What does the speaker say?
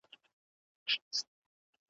سره يې څنګه دومره ډېر او لوړ کتابونه وليکل